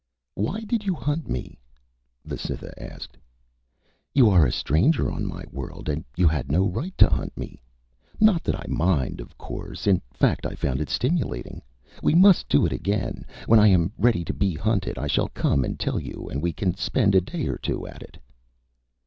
"Why did you hunt me?" the Cytha asked. "You are a stranger on my world and you had no right to hunt me. Not that I mind, of course. In fact, I found it stimulating. We must do it again. When I am ready to be hunted, I shall come and tell you and we can spend a day or two at it."